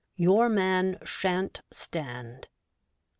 Your man shan't stand.